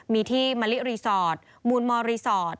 มีที่มะลิรีสอร์ทมูลมรีสอร์ท